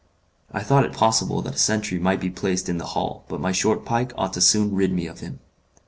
I thought it possible that a sentry might be placed in the hall, but my short pike ought to soon rid me of him.